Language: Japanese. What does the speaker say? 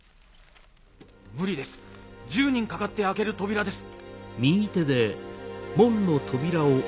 無理です１０人かかって開ける扉です。